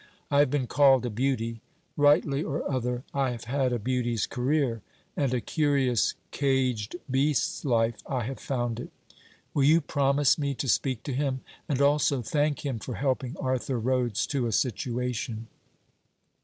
I have been called a Beauty. Rightly or other, I have had a Beauty's career; and a curious caged beast's life I have found it. Will you promise me to speak to him? And also, thank him for helping Arthur Rhodes to a situation.'